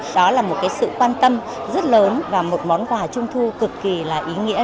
đó là một sự quan tâm rất lớn và một món quà trung thu cực kỳ là ý nghĩa